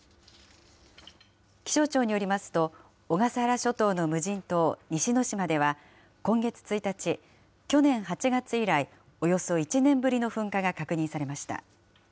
気象庁によりますと、小笠原諸島の無人島、西之島では、今月１日、去年８月以来、およそ１年ぶりの噴火が確認されました。